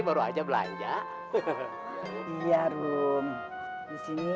malam mungkin lewat sini